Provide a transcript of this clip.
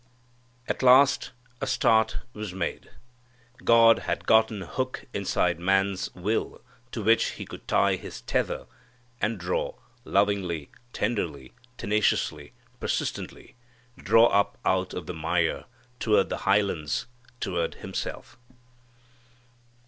At last a start was made. God had gotten a hook inside man's will to which He could tie His tether, and draw, lovingly, tenderly, tenaciously, persistently, draw up out of the mire, toward the highlands, toward Himself.